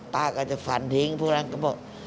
ป้าก็จะฝันทิ้งพวกนั้นก็บอก